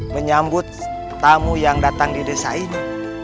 menyambut tamu yang datang di desa ini